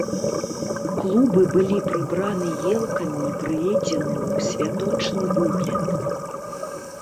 Клубы былі прыбраны елкамі і прыведзены ў святочны выгляд.